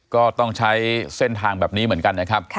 ก็ต้องใช้เส้นทางแบบนี้เหมือนกันนะครับ